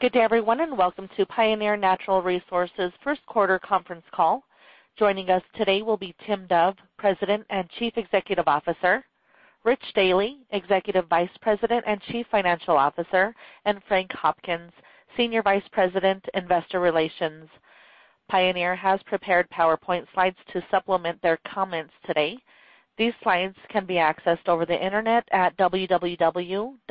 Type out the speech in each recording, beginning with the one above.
Good day, everyone, and welcome to Pioneer Natural Resources' first quarter conference call. Joining us today will be Tim Dove, President and Chief Executive Officer, Rich Dealy, Executive Vice President and Chief Financial Officer, and Frank Hopkins, Senior Vice President, Investor Relations. Pioneer has prepared PowerPoint slides to supplement their comments today. These slides can be accessed over the internet at www.pxd.com.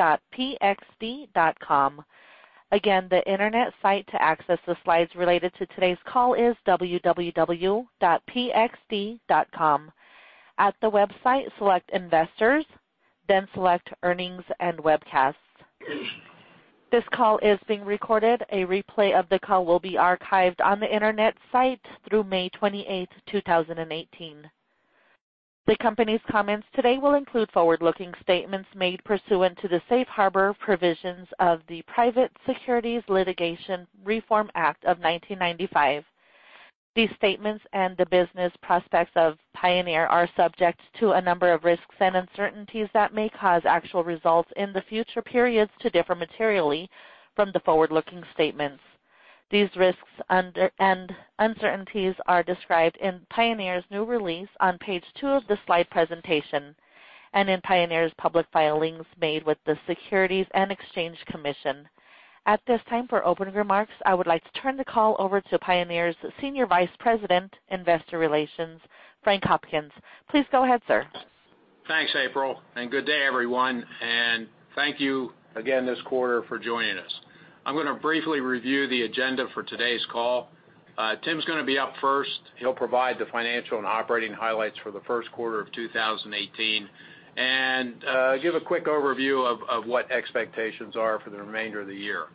Again, the internet site to access the slides related to today's call is www.pxd.com. At the website, select Investors, then select Earnings and Webcasts. This call is being recorded. A replay of the call will be archived on the internet site through May 28th, 2018. The company's comments today will include forward-looking statements made pursuant to the Safe Harbor Provisions of the Private Securities Litigation Reform Act of 1995. These statements and the business prospects of Pioneer are subject to a number of risks and uncertainties that may cause actual results in the future periods to differ materially from the forward-looking statements. These risks and uncertainties are described in Pioneer's new release on page two of the slide presentation, and in Pioneer's public filings made with the Securities and Exchange Commission. At this time, for opening remarks, I would like to turn the call over to Pioneer's Senior Vice President, Investor Relations, Frank Hopkins. Please go ahead, sir. Thanks, April, and good day, everyone, and thank you again this quarter for joining us. I'm going to briefly review the agenda for today's call. Tim's going to be up first. He'll provide the financial and operating highlights for the first quarter of 2018 and give a quick overview of what expectations are for the remainder of the year.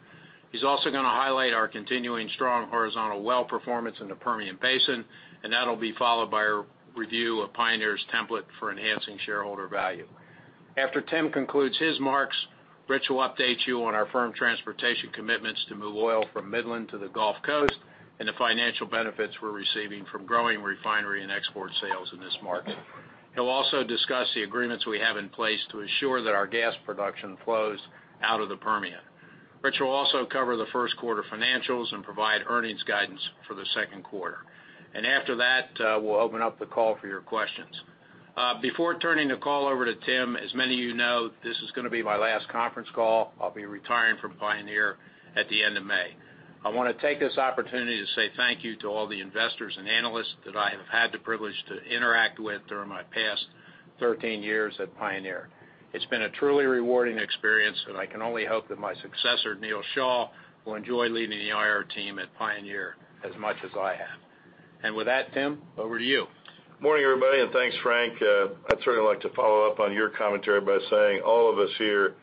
He's also going to highlight our continuing strong horizontal well performance in the Permian Basin, and that'll be followed by a review of Pioneer's template for enhancing shareholder value. After Tim concludes his marks, Rich will update you on our firm transportation commitments to move oil from Midland to the Gulf Coast and the financial benefits we're receiving from growing refinery and export sales in this market. He'll also discuss the agreements we have in place to ensure that our gas production flows out of the Permian. Rich will also cover the first quarter financials and provide earnings guidance for the second quarter. After that, we'll open up the call for your questions. Before turning the call over to Tim, as many of you know, this is going to be my last conference call. I'll be retiring from Pioneer at the end of May. I want to take this opportunity to say thank you to all the investors and analysts that I have had the privilege to interact with during my past 13 years at Pioneer. It's been a truly rewarding experience, and I can only hope that my successor, Neal Shah, will enjoy leading the IR team at Pioneer as much as I have. With that, Tim, over to you. Morning, everybody. Thanks, Frank. I'd certainly like to follow up on your commentary by saying all of us here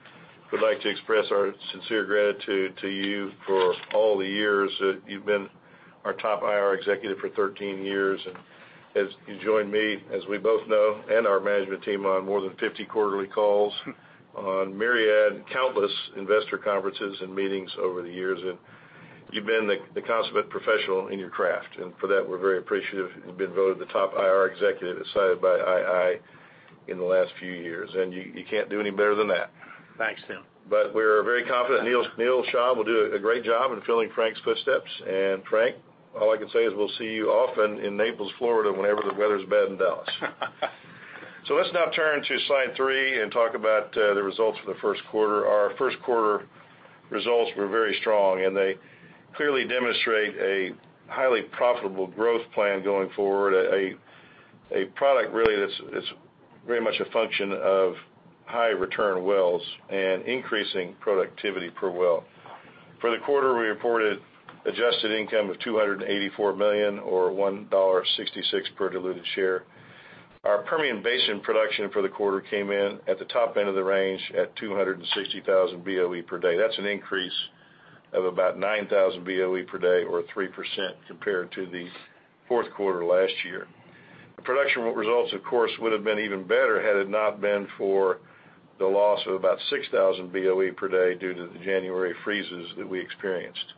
would like to express our sincere gratitude to you for all the years that you've been our top IR Executive for 13 years. As you joined me, as we both know, and our management team on more than 50 quarterly calls, on myriad, countless investor conferences and meetings over the years, you've been the consummate professional in your craft. For that, we're very appreciative. You've been voted the top IR Executive, as cited by II, in the last few years. You can't do any better than that. Thanks, Tim. We're very confident Neal Shah will do a great job in filling Frank's footsteps. Frank, all I can say is we'll see you often in Naples, Florida, whenever the weather's bad in Dallas. Let's now turn to slide three and talk about the results for the first quarter. Our first quarter results were very strong. They clearly demonstrate a highly profitable growth plan going forward, a product really that's very much a function of high return wells and increasing productivity per well. For the quarter, we reported adjusted income of $284 million, or $1.66 per diluted share. Our Permian Basin production for the quarter came in at the top end of the range at 260,000 BOE per day. That's an increase of about 9,000 BOE per day or 3% compared to the fourth quarter last year. The production results, of course, would have been even better had it not been for the loss of about 6,000 BOE per day due to the January freezes that we experienced.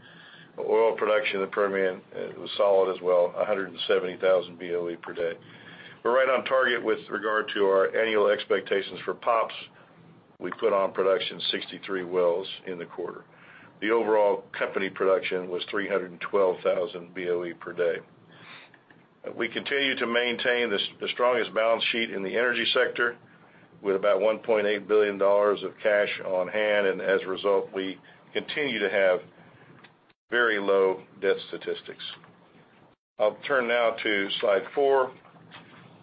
Oil production in the Permian was solid as well, 170,000 BOE per day. We're right on target with regard to our annual expectations for POPs. We put on production 63 wells in the quarter. The overall company production was 312,000 BOE per day. We continue to maintain the strongest balance sheet in the energy sector with about $1.8 billion of cash on hand. As a result, we continue to have very low debt statistics. I'll turn now to slide four.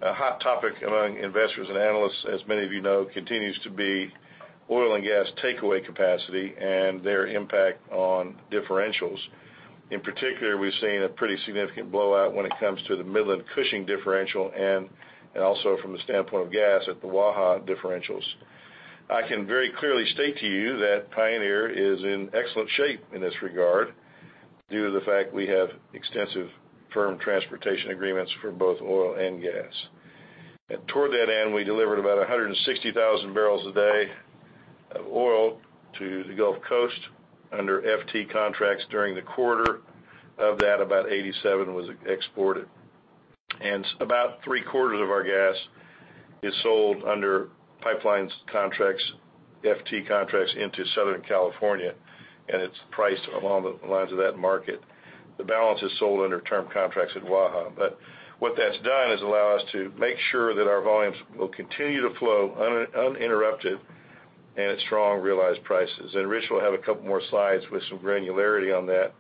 A hot topic among investors and analysts, as many of you know, continues to be oil and gas takeaway capacity and their impact on differentials. In particular, we've seen a pretty significant blowout when it comes to the Midland Cushing differential and also from the standpoint of gas at the Waha differentials. I can very clearly state to you that Pioneer is in excellent shape in this regard due to the fact we have extensive firm transportation agreements for both oil and gas. Toward that end, we delivered about 160,000 barrels a day of oil to the Gulf Coast under FT contracts during the quarter. Of that, about 87 was exported. About three quarters of our gas is sold under pipelines contracts, FT contracts into Southern California, and it's priced along the lines of that market. The balance is sold under term contracts at Waha. What that's done is allow us to make sure that our volumes will continue to flow uninterrupted and at strong realized prices. Rich will have a couple more slides with some granularity on that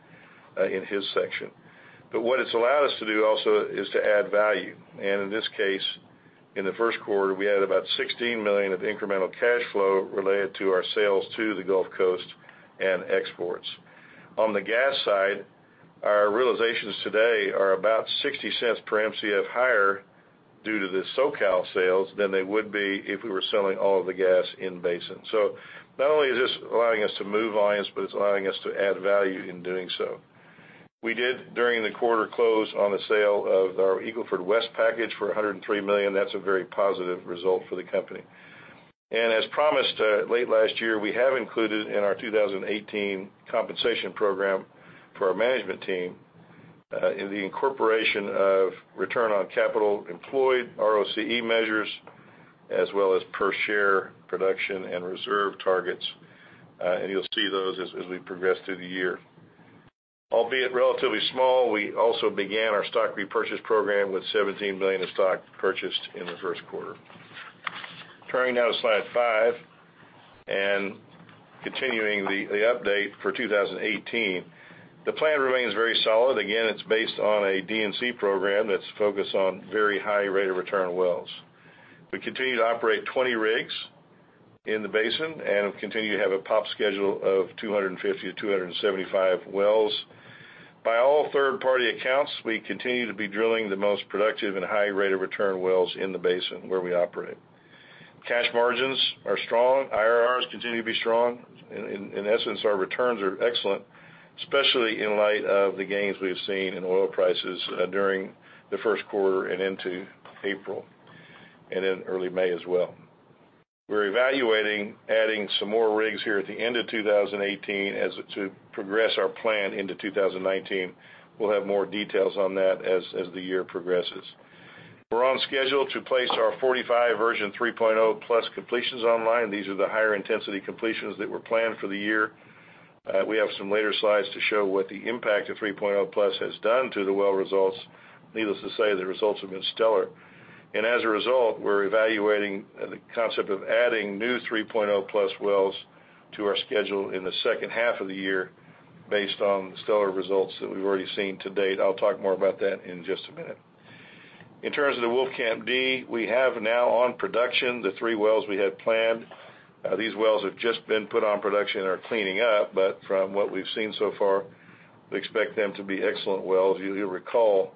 in his section. What it's allowed us to do also is to add value. In this case, in the first quarter, we had about $16 million of incremental cash flow related to our sales to the Gulf Coast and exports. On the gas side, our realizations today are about $0.60 per Mcf higher due to the SoCal sales than they would be if we were selling all of the gas in Basin. Not only is this allowing us to move volumes, but it's allowing us to add value in doing so. We did, during the quarter, close on the sale of our Eagle Ford West package for $103 million. That's a very positive result for the company. As promised late last year, we have included in our 2018 compensation program for our management team, in the incorporation of return on capital employed, ROCE measures, as well as per share production and reserve targets. You'll see those as we progress through the year. Albeit relatively small, we also began our stock repurchase program with $17 million of stock purchased in the first quarter. Turning now to slide five, continuing the update for 2018. The plan remains very solid. Again, it's based on a D&C program that's focused on very high rate of return wells. We continue to operate 20 rigs in the basin and continue to have a POP schedule of 250 to 275 wells. By all third-party accounts, we continue to be drilling the most productive and high rate of return wells in the basin where we operate. Cash margins are strong. IRRs continue to be strong. In essence, our returns are excellent, especially in light of the gains we've seen in oil prices during the first quarter and into April, and then early May as well. We're evaluating adding some more rigs here at the end of 2018 to progress our plan into 2019. We'll have more details on that as the year progresses. We're on schedule to place our 45 Version 3.0+ completions online. These are the higher intensity completions that were planned for the year. We have some later slides to show what the impact of 3.0+ has done to the well results. Needless to say, the results have been stellar. As a result, we're evaluating the concept of adding new 3.0+ wells to our schedule in the second half of the year based on the stellar results that we've already seen to date. I'll talk more about that in just a minute. In terms of the Wolfcamp D, we have now on production the three wells we had planned. These wells have just been put on production and are cleaning up, but from what we've seen so far, we expect them to be excellent wells. You'll recall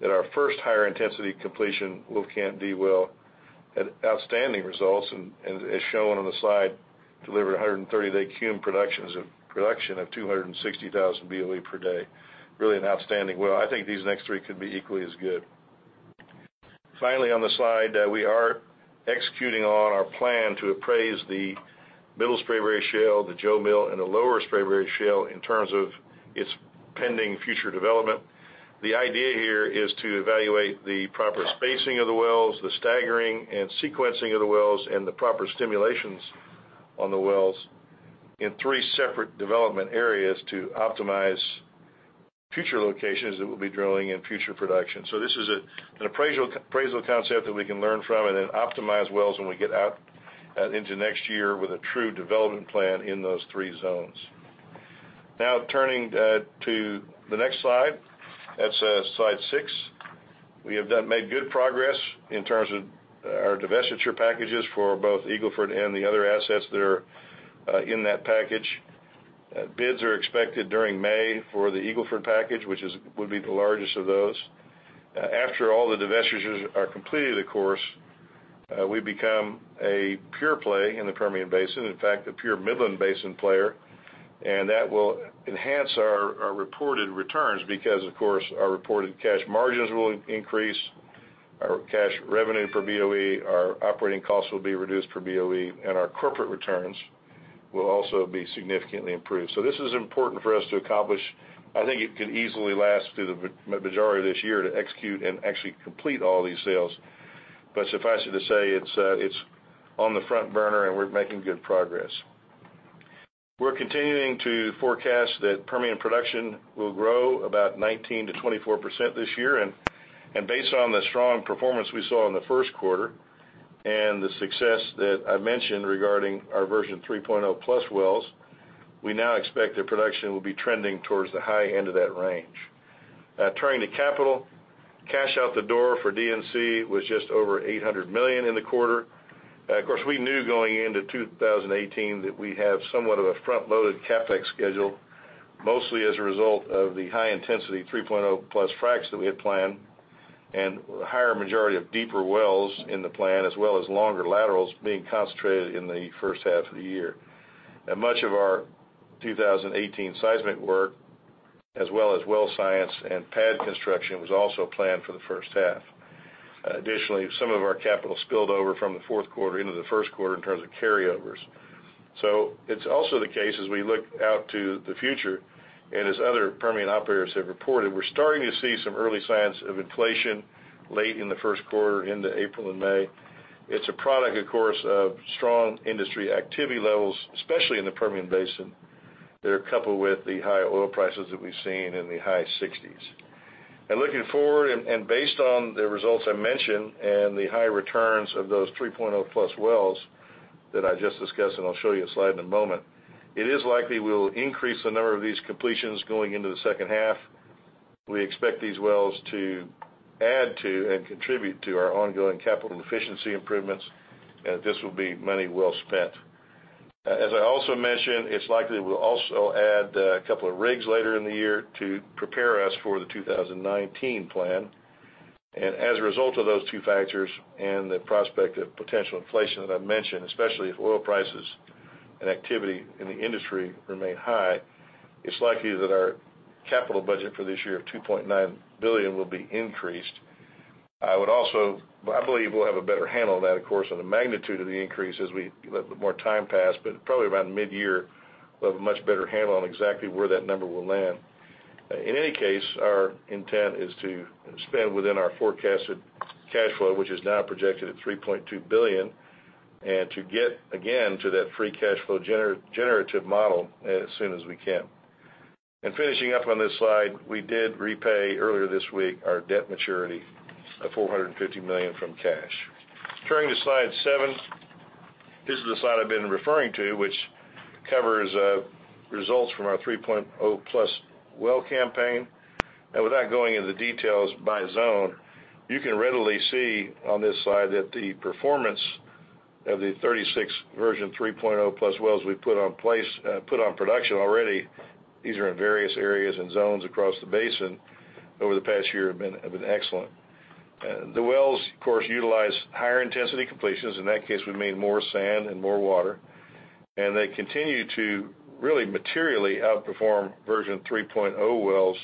that our first higher intensity completion, Wolfcamp D well, had outstanding results and as shown on the slide, delivered 130-day cum production of 260,000 BOE per day. Really an outstanding well. I think these next three could be equally as good. Finally, on the slide, we are executing on our plan to appraise the Middle Spraberry shale, the Jo Mill, and the Lower Spraberry shale in terms of its pending future development. The idea here is to evaluate the proper spacing of the wells, the staggering and sequencing of the wells, and the proper stimulations on the wells in three separate development areas to optimize future locations that we'll be drilling and future production. This is an appraisal concept that we can learn from and then optimize wells when we get out into next year with a true development plan in those three zones. Turning to the next slide. That's slide six. We have made good progress in terms of our divestiture packages for both Eagle Ford and the other assets that are in that package. Bids are expected during May for the Eagle Ford package, which would be the largest of those. After all the divestitures are completed, of course, we become a pure play in the Permian Basin. In fact, a pure Midland Basin player, that will enhance our reported returns because, of course, our reported cash margins will increase, our cash revenue per BOE, our operating costs will be reduced per BOE, and our corporate returns will also be significantly improved. This is important for us to accomplish. I think it could easily last through the majority of this year to execute and actually complete all these sales. Suffice it to say, it's on the front burner and we're making good progress. We're continuing to forecast that Permian production will grow about 19%-24% this year. Based on the strong performance we saw in the first quarter and the success that I mentioned regarding our Version 3.0+ wells, we now expect that production will be trending towards the high end of that range. Turning to capital. Cash out the door for D&C was just over $800 million in the quarter. Of course, we knew going into 2018 that we'd have somewhat of a front-loaded CapEx schedule, mostly as a result of the high-intensity 3.0+ fracs that we had planned, and a higher majority of deeper wells in the plan, as well as longer laterals being concentrated in the first half of the year. Much of our 2018 seismic work, as well as well science and pad construction, was also planned for the first half. Additionally, some of our capital spilled over from the fourth quarter into the first quarter in terms of carryovers. It's also the case, as we look out to the future, and as other Permian operators have reported, we're starting to see some early signs of inflation late in the first quarter into April and May. It's a product, of course, of strong industry activity levels, especially in the Permian Basin, that are coupled with the high oil prices that we've seen in the high 60s. Looking forward, based on the results I mentioned and the high returns of those 3.0-plus wells that I just discussed, I'll show you a slide in a moment, it is likely we'll increase the number of these completions going into the second half. We expect these wells to add to and contribute to our ongoing capital efficiency improvements. This will be money well spent. I also mentioned, it's likely we'll also add a couple of rigs later in the year to prepare us for the 2019 plan. As a result of those two factors and the prospect of potential inflation that I mentioned, especially if oil prices and activity in the industry remain high, it's likely that our capital budget for this year of $2.9 billion will be increased. I believe we'll have a better handle on that, of course, on the magnitude of the increase as we let more time pass, but probably around mid-year, we'll have a much better handle on exactly where that number will land. In any case, our intent is to spend within our forecasted cash flow, which is now projected at $3.2 billion, and to get, again, to that free cash flow generative model as soon as we can. Finishing up on this slide, we did repay earlier this week our debt maturity of $450 million from cash. Turning to slide seven. This is the slide I've been referring to, which covers results from our 3.0-plus well campaign. Without going into details by zone, you can readily see on this slide that the performance of the 36 version 3.0-plus wells we put on production already, these are in various areas and zones across the basin, over the past year have been excellent. The wells, of course, utilize higher intensity completions. In that case, we made more sand and more water. They continue to really materially outperform version 3.0 wells.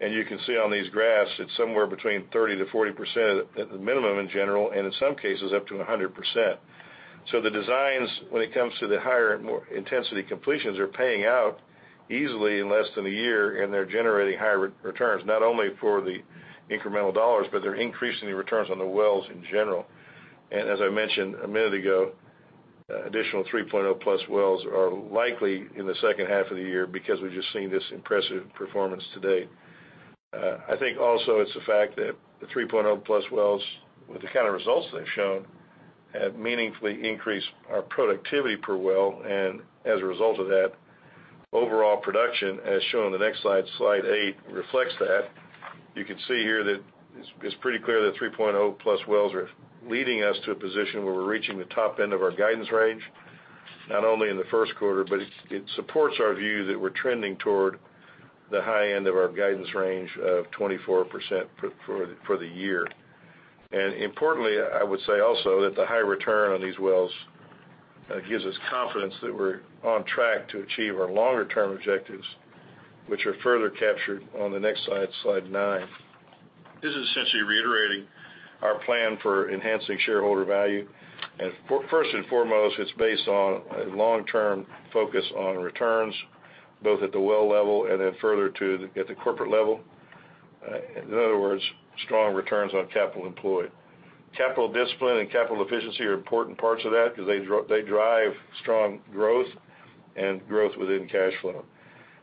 You can see on these graphs, it's somewhere between 30%-40% at the minimum in general, and in some cases, up to 100%. The designs, when it comes to the higher intensity completions, are paying out easily in less than a year, and they're generating higher returns, not only for the incremental dollars, but they're increasing the returns on the wells in general. As I mentioned a minute ago, additional 3.0-plus wells are likely in the second half of the year because we've just seen this impressive performance to date. I think also it's the fact that the 3.0-plus wells, with the kind of results they've shown, have meaningfully increased our productivity per well. As a result of that, overall production, as shown on the next slide eight, reflects that. You can see here that it's pretty clear that 3.0-plus wells are leading us to a position where we're reaching the top end of our guidance range, not only in the first quarter, but it supports our view that we're trending toward the high end of our guidance range of 24% for the year. Importantly, I would say also that the high return on these wells gives us confidence that we're on track to achieve our longer-term objectives, which are further captured on the next slide nine. This is essentially reiterating our plan for enhancing shareholder value. First and foremost, it's based on a long-term focus on returns, both at the well level and then further at the corporate level. In other words, strong returns on capital employed. Capital discipline and capital efficiency are important parts of that because they drive strong growth and growth within cash flow.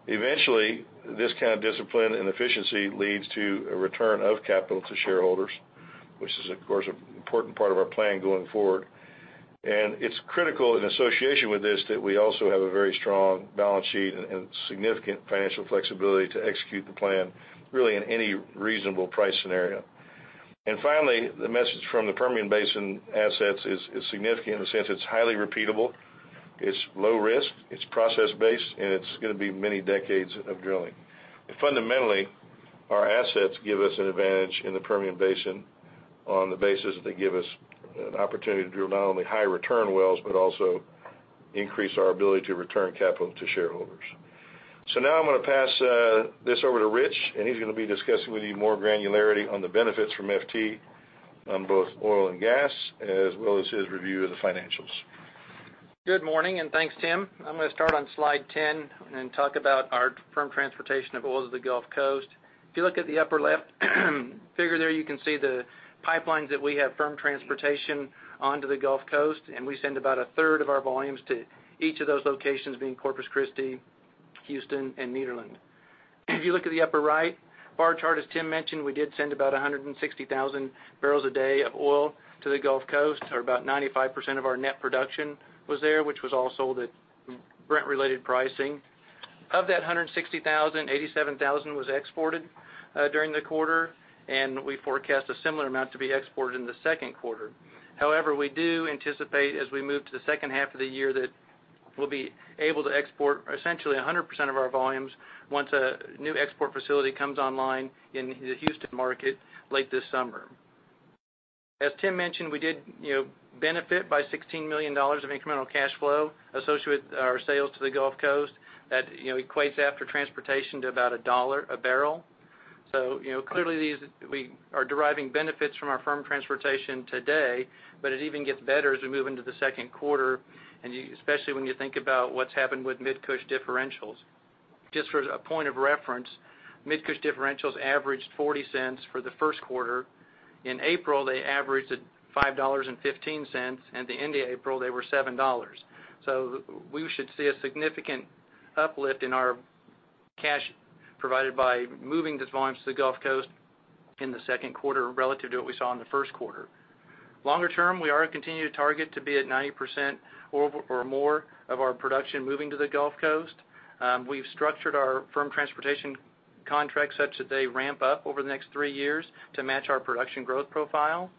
Eventually, this kind of discipline and efficiency leads to a return of capital to shareholders, which is, of course, an important part of our plan going forward. It's critical in association with this that we also have a very strong balance sheet and significant financial flexibility to execute the plan, really in any reasonable price scenario. Finally, the message from the Permian Basin assets is significant in the sense it's highly repeatable, it's low risk, it's process-based, and it's going to be many decades of drilling. Fundamentally, our assets give us an advantage in the Permian Basin on the basis that they give us an opportunity to do not only high return wells, but also increase our ability to return capital to shareholders. Now I'm going to pass this over to Rich, and he's going to be discussing with you more granularity on the benefits from FT on both oil and gas, as well as his review of the financials. Good morning, and thanks, Tim. I'm going to start on slide 10 and talk about our firm transportation of oil to the Gulf Coast. If you look at the upper left figure there, you can see the pipelines that we have firm transportation onto the Gulf Coast, and we send about a third of our volumes to each of those locations, being Corpus Christi, Houston, and Nederland. If you look at the upper right bar chart, as Tim mentioned, we did send about 160,000 barrels a day of oil to the Gulf Coast, or about 95% of our net production was there, which was all sold at Brent-related pricing. Of that 160,000, 87,000 was exported during the quarter, and we forecast a similar amount to be exported in the second quarter. We do anticipate as we move to the second half of the year that we'll be able to export essentially 100% of our volumes once a new export facility comes online in the Houston market late this summer. As Tim mentioned, we did benefit by $16 million of incremental cash flow associated with our sales to the Gulf Coast. That equates after transportation to about $1 a barrel. Clearly, we are deriving benefits from our firm transportation today, but it even gets better as we move into the second quarter, and especially when you think about what's happened with Mid-Cush differentials. Just for a point of reference, Mid-Cush differentials averaged $0.40 for the first quarter. In April, they averaged at $5.15, and at the end of April, they were $7. We should see a significant uplift in our cash provided by moving the volumes to the Gulf Coast in the second quarter relative to what we saw in the first quarter. Longer term, we are continuing to target to be at 90% or more of our production moving to the Gulf Coast. We've structured our firm transportation contracts such that they ramp up over the next 3 years to match our production growth profile.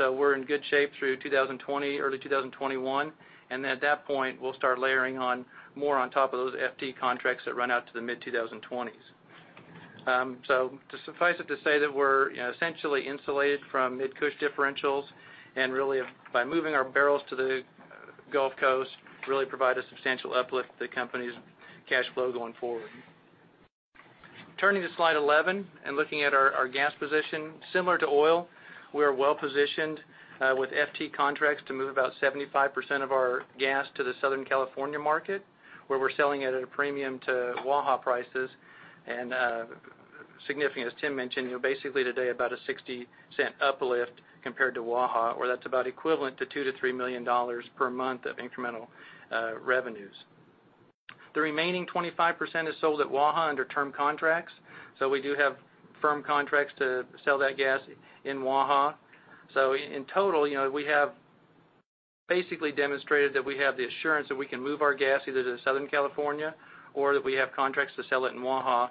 We're in good shape through 2020, early 2021. At that point, we'll start layering on more on top of those FT contracts that run out to the mid-2020s. To suffice it to say that we're essentially insulated from Mid-Cush differentials and really by moving our barrels to the Gulf Coast, really provide a substantial uplift to the company's cash flow going forward. Turning to slide 11 and looking at our gas position. Similar to oil, we are well-positioned with FT contracts to move about 75% of our gas to the Southern California market, where we're selling it at a premium to Waha prices. Significant, as Tim mentioned, basically today, about a $0.60 uplift compared to Waha, or that's about equivalent to $2 million-$3 million per month of incremental revenues. The remaining 25% is sold at Waha under term contracts. We do have firm contracts to sell that gas in Waha. In total, we have basically demonstrated that we have the assurance that we can move our gas either to Southern California or that we have contracts to sell it in Waha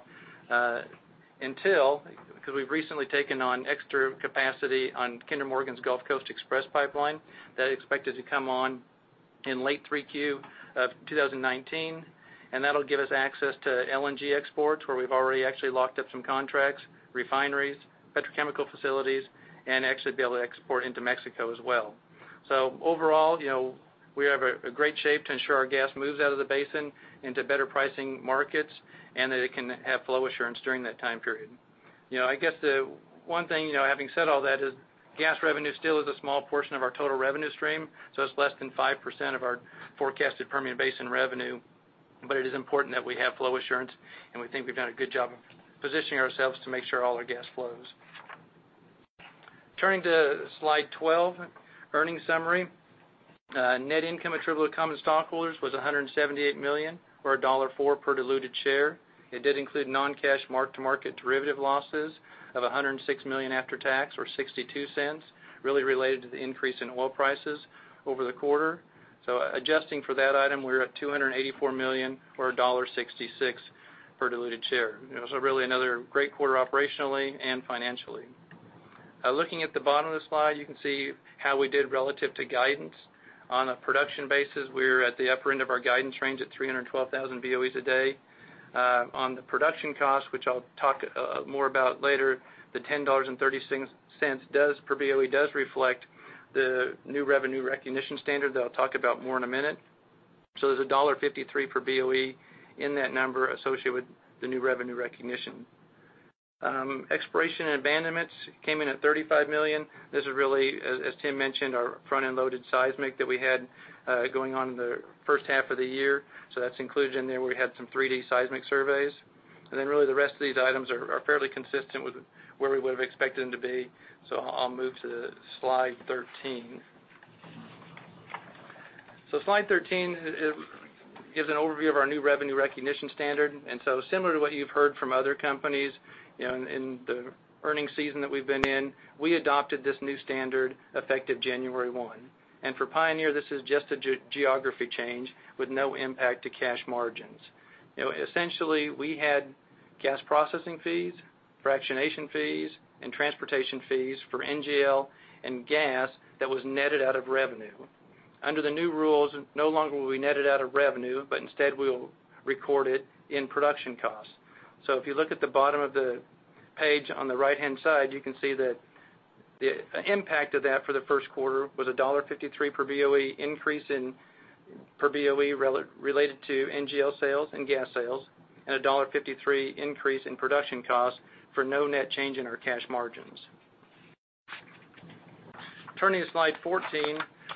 until, because we've recently taken on extra capacity on Kinder Morgan's Gulf Coast Express Pipeline, that is expected to come on in late 3Q 2019, and that'll give us access to LNG exports, where we've already actually locked up some contracts, refineries, petrochemical facilities, and actually be able to export into Mexico as well. Overall, we are in a great shape to ensure our gas moves out of the basin into better pricing markets and that it can have flow assurance during that time period. I guess the one thing, having said all that, is gas revenue still is a small portion of our total revenue stream, so it's less than 5% of our forecasted Permian Basin revenue, but it is important that we have flow assurance, and we think we've done a good job of positioning ourselves to make sure all our gas flows. Turning to Slide 12, earnings summary. Net income attributable to common stockholders was $178 million, or $1.04 per diluted share. It did include non-cash mark-to-market derivative losses of $106 million after tax, or $0.62, really related to the increase in oil prices over the quarter. Adjusting for that item, we're at $284 million, or $1.66 per diluted share. It was really another great quarter operationally and financially. Looking at the bottom of the slide, you can see how we did relative to guidance. On a production basis, we were at the upper end of our guidance range at 312,000 BOEs a day. On the production cost, which I'll talk more about later, the $10.36 per BOE does reflect the new revenue recognition standard that I'll talk about more in a minute. There's $1.53 per BOE in that number associated with the new revenue recognition. Exploration and abandonments came in at $35 million. This is really, as Tim mentioned, our front-end loaded seismic that we had going on in the first half of the year. That's included in there. We had some 3D seismic surveys. Really the rest of these items are fairly consistent with where we would have expected them to be. I'll move to Slide 13. Slide 13 gives an overview of our new revenue recognition standard. Similar to what you've heard from other companies in the earnings season that we've been in, we adopted this new standard effective January 1. For Pioneer, this is just a geography change with no impact to cash margins. Essentially, we had gas processing fees, fractionation fees, and transportation fees for NGL and gas that was netted out of revenue. Under the new rules, no longer will we net it out of revenue, but instead we will record it in production costs. If you look at the bottom of the page on the right-hand side, you can see that the impact of that for the first quarter was $1.53 per BOE increase per BOE related to NGL sales and gas sales, and a $1.53 increase in production cost for no net change in our cash margins. Turning to Slide 14,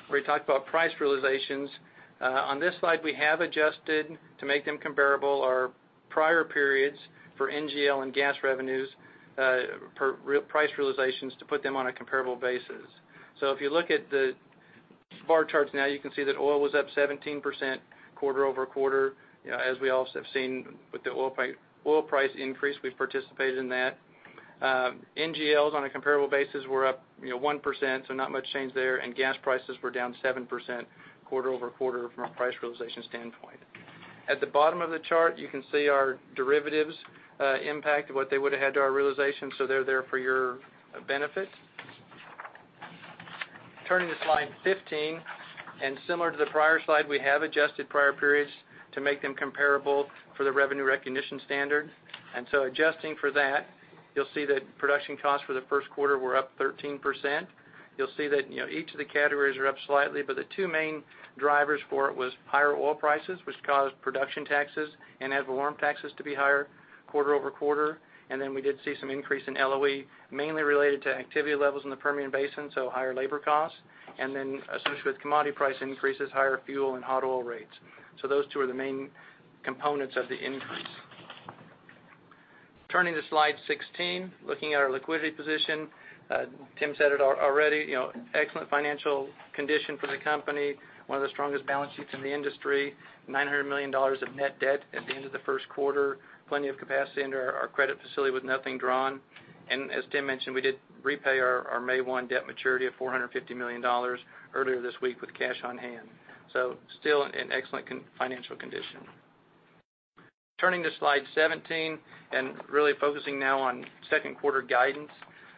where we talk about price realizations. On this slide, we have adjusted to make them comparable our prior periods for NGL and gas revenues per price realizations to put them on a comparable basis. If you look at the bar charts now, you can see that oil was up 17% quarter-over-quarter. As we also have seen with the oil price increase, we've participated in that. NGLs on a comparable basis were up 1%, not much change there, and gas prices were down 7% quarter-over-quarter from a price realization standpoint. At the bottom of the chart, you can see our derivatives impact, what they would have had to our realization. They're there for your benefit. Turning to Slide 15, similar to the prior slide, we have adjusted prior periods to make them comparable for the revenue recognition standard. Adjusting for that, you'll see that production costs for the first quarter were up 13%. You'll see that each of the categories are up slightly, the two main drivers for it was higher oil prices, which caused production taxes and ad valorem taxes to be higher quarter-over-quarter. We did see some increase in LOE, mainly related to activity levels in the Permian Basin, so higher labor costs. Associated with commodity price increases, higher fuel and hot oil rates. Those two are the main components of the increase. Turning to slide 16, looking at our liquidity position. Tim said it already, excellent financial condition for the company. One of the strongest balance sheets in the industry, $900 million of net debt at the end of the first quarter. Plenty of capacity under our credit facility with nothing drawn. As Tim mentioned, we did repay our May 1 debt maturity of $450 million earlier this week with cash on hand. Still in excellent financial condition. Turning to slide 17, really focusing now on second quarter guidance.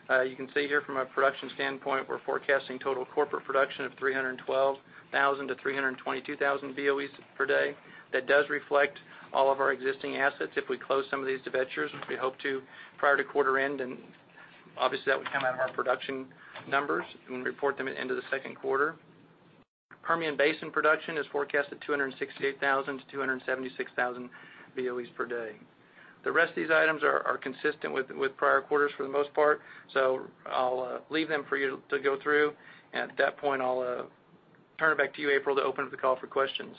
You can see here from a production standpoint, we're forecasting total corporate production of 312,000 to 322,000 BOEs per day. That does reflect all of our existing assets. If we close some of these ventures, which we hope to prior to quarter end, obviously that would come out of our production numbers and we report them at end of the second quarter. Permian Basin production is forecast at 268,000 to 276,000 BOEs per day. The rest of these items are consistent with prior quarters for the most part, I'll leave them for you to go through. At that point, I'll turn it back to you, April, to open up the call for questions.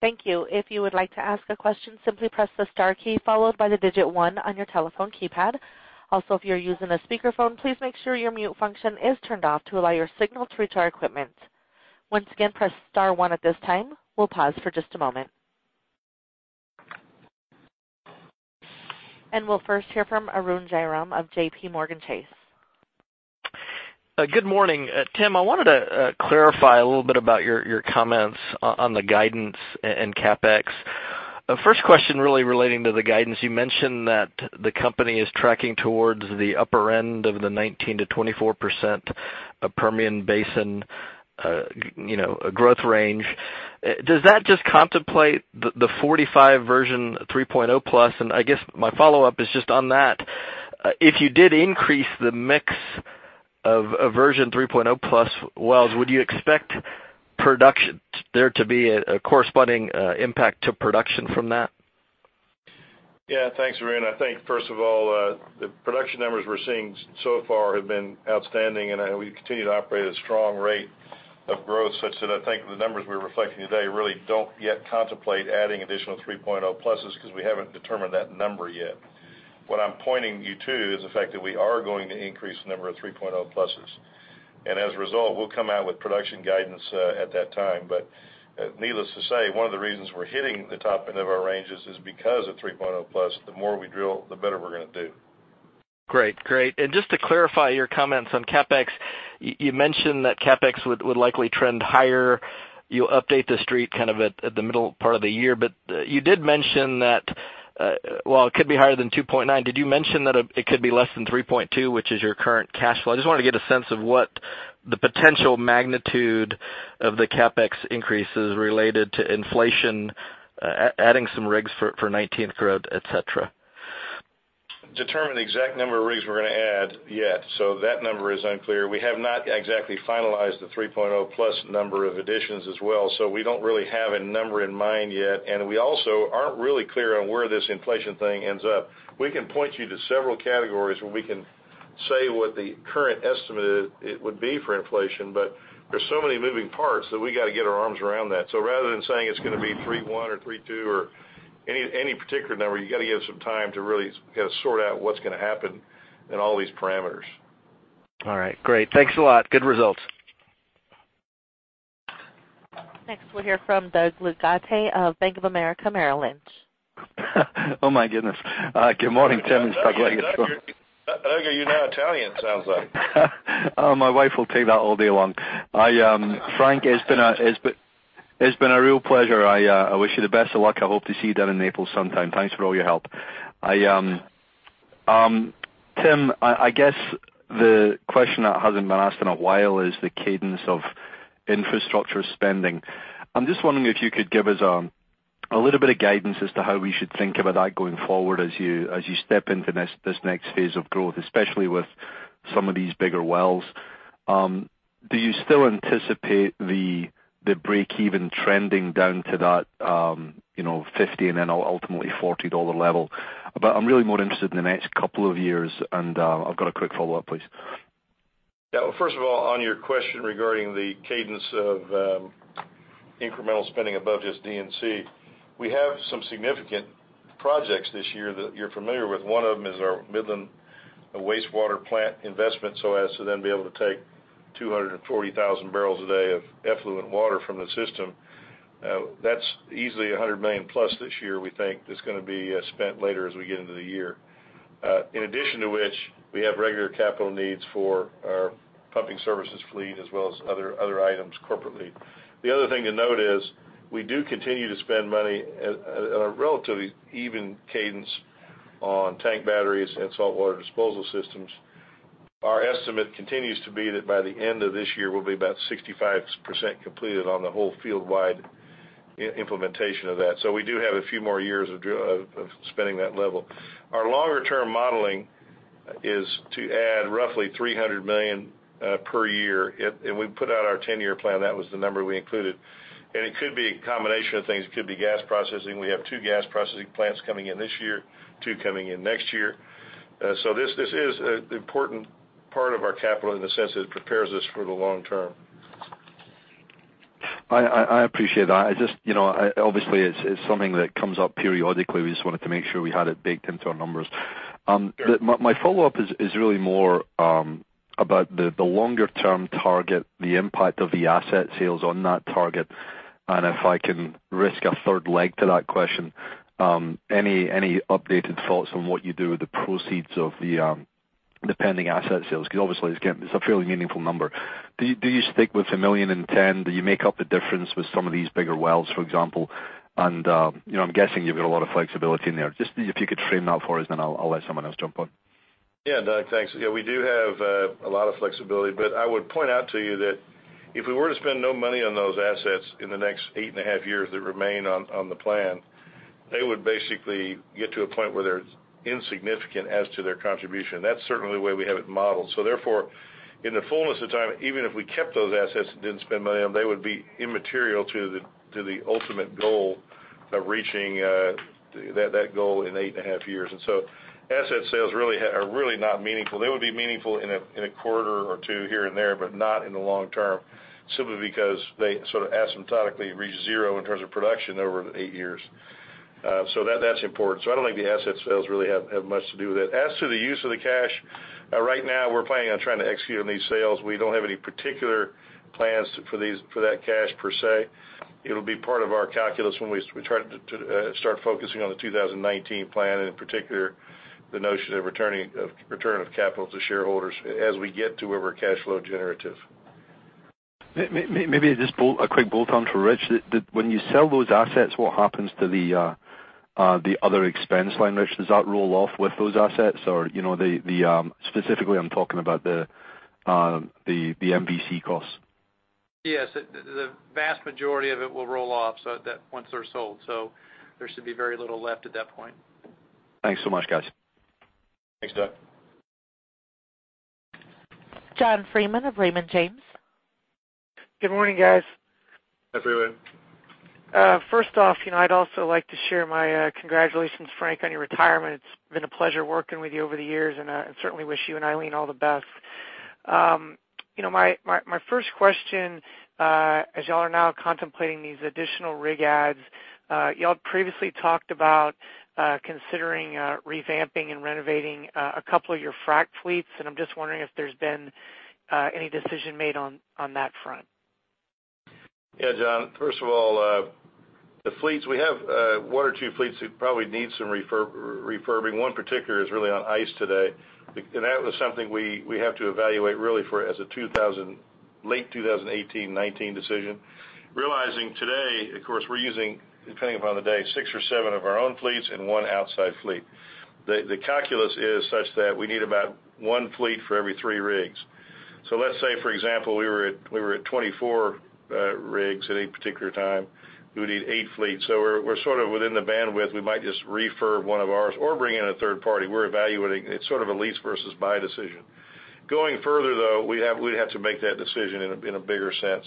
Thank you. If you would like to ask a question, simply press the star key followed by the digit 1 on your telephone keypad. Also, if you're using a speakerphone, please make sure your mute function is turned off to allow your signal to reach our equipment. Once again, press star one at this time. We'll pause for just a moment. We'll first hear from Arun Jayaram of JPMorgan Chase. Good morning. Tim, I wanted to clarify a little bit about your comments on the guidance and CapEx. First question really relating to the guidance. You mentioned that the company is tracking towards the upper end of the 19%-24% Permian Basin growth range. Does that just contemplate the 45 Version 3.0+? And I guess my follow-up is just on that. If you did increase the mix of Version 3.0+ wells, would you expect there to be a corresponding impact to production from that? Thanks, Arun. I think first of all, the production numbers we're seeing so far have been outstanding, and we continue to operate at a strong rate of growth such that I think the numbers we're reflecting today really don't yet contemplate adding additional 3.0 Pluses because we haven't determined that number yet. What I'm pointing you to is the fact that we are going to increase the number of 3.0 Pluses. As a result, we'll come out with production guidance at that time. Needless to say, one of the reasons we're hitting the top end of our ranges is because of 3.0 Plus. The more we drill, the better we're going to do. Great. Just to clarify your comments on CapEx, you mentioned that CapEx would likely trend higher. You'll update the street kind of at the middle part of the year, but you did mention that while it could be higher than $2.9, did you mention that it could be less than $3.2, which is your current cash flow? I just wanted to get a sense of what the potential magnitude of the CapEx increase is related to inflation, adding some rigs for 2019 growth, et cetera. We haven't determined the exact number of rigs we're going to add yet, so that number is unclear. We have not exactly finalized the 3.0 Plus number of additions as well, so we don't really have a number in mind yet. We also aren't really clear on where this inflation thing ends up. We can point you to several categories where we can say what the current estimate would be for inflation, but there's so many moving parts that we got to get our arms around that. Rather than saying it's going to be $3.1 or $3.2 or any particular number, you got to give some time to really sort out what's going to happen in all these parameters. All right, great. Thanks a lot. Good results. Next, we'll hear from Doug Leggate of Bank of America Merrill Lynch. Oh my goodness. Good morning, Tim. It's Doug Leggate. Doug, you're now Italian, it sounds like. My wife will take that all day long. Frank, it's been a real pleasure. I wish you the best of luck. I hope to see you down in Naples sometime. Thanks for all your help. Tim, I guess the question that hasn't been asked in a while is the cadence of infrastructure spending. I'm just wondering if you could give us a little bit of guidance as to how we should think about that going forward as you step into this next phase of growth, especially with some of these bigger wells. Do you still anticipate the break-even trending down to that $50 and then ultimately $40 level? I'm really more interested in the next couple of years, and I've got a quick follow-up, please. First of all, on your question regarding the cadence of incremental spending above just D&C, we have some significant projects this year that you're familiar with. One of them is our Midland Wastewater Plant investment, so as to then be able to take 240,000 barrels a day of effluent water from the system. That's easily $100 million plus this year, we think, that's going to be spent later as we get into the year. In addition to which, we have regular capital needs for our pumping services fleet as well as other items corporately. The other thing to note is we do continue to spend money at a relatively even cadence on tank batteries and saltwater disposal systems. Our estimate continues to be that by the end of this year, we'll be about 65% completed on the whole field-wide implementation of that. We do have a few more years of spending that level. Our longer-term modeling is to add roughly $300 million per year. We put out our 10-year plan, that was the number we included. It could be a combination of things. It could be gas processing. We have two gas processing plants coming in this year, two coming in next year. This is an important part of our capital in the sense that it prepares us for the long term. I appreciate that. Obviously, it's something that comes up periodically. We just wanted to make sure we had it baked into our numbers. Sure. My follow-up is really more about the longer-term target, the impact of the asset sales on that target, and if I can risk a third leg to that question, any updated thoughts on what you do with the proceeds of the pending asset sales? Obviously, it's a fairly meaningful number. Do you stick with $1.1 million? Do you make up the difference with some of these bigger wells, for example? I'm guessing you've got a lot of flexibility in there. Just if you could frame that for us, then I'll let someone else jump on. Yeah, Doug, thanks. Yeah, we do have a lot of flexibility, but I would point out to you that if we were to spend no money on those assets in the next eight and a half years that remain on the plan, they would basically get to a point where they're insignificant as to their contribution. That's certainly the way we have it modeled. Therefore, in the fullness of time, even if we kept those assets and didn't spend money on them, they would be immaterial to the ultimate goal of reaching that goal in eight and a half years. Asset sales are really not meaningful. They would be meaningful in a quarter or two here and there, but not in the long term, simply because they sort of asymptotically reach zero in terms of production over the eight years. That's important. I don't think the asset sales really have much to do with it. As to the use of the cash, right now we're planning on trying to execute on these sales. We don't have any particular plans for that cash per se. It'll be part of our calculus when we start focusing on the 2019 plan, and in particular, the notion of return of capital to shareholders as we get to where we're cash flow generative. Maybe just a quick bolt-on for Rich. When you sell those assets, what happens to the other expense line, Rich? Does that roll off with those assets? Specifically, I'm talking about the MVC costs. Yes, the vast majority of it will roll off, so once they're sold. There should be very little left at that point. Thanks so much, guys. Thanks, Doug. John Freeman of Raymond James. Good morning, guys. Hi, Freeman. First off, I'd also like to share my congratulations, Frank, on your retirement. It's been a pleasure working with you over the years, and I certainly wish you and Eileen all the best. My first question, as you all are now contemplating these additional rig adds, you all previously talked about considering revamping and renovating a couple of your frack fleets, and I'm just wondering if there's been any decision made on that front. Yeah, John. First of all, the fleets, we have one or two fleets who probably need some refurbing. One particular is really on ice today. That was something we have to evaluate really as a late 2018, 2019 decision. Realizing today, of course, we're using, depending upon the day, six or seven of our own fleets and one outside fleet. The calculus is such that we need about one fleet for every three rigs. Let's say, for example, we were at 24 rigs at any particular time, we would need eight fleets. We're sort of within the bandwidth. We might just refurb one of ours or bring in a third party. We're evaluating. It's sort of a lease versus buy decision. Going further, though, we'd have to make that decision in a bigger sense.